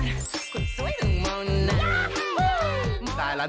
คนสวยต้องมองนานนาน